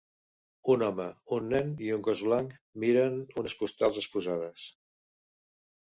Un home, un nen i un gos blanc miren unes postals exposades.